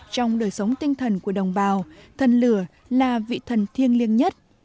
trong đời sống tinh thần của đồng bào thân lửa là vị thần thiêng liêng nhất